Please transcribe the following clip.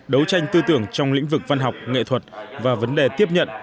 đấu tranh tư tưởng trong lĩnh vực văn học nghệ thuật và vấn đề tiếp nhận